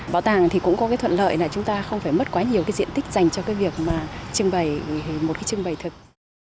bảo tàng cũng có thuận lợi là chúng ta không phải mất quá nhiều diện tích dành cho việc trưng bày một trưng bày thực